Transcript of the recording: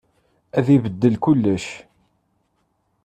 Ad ibeddel kullec.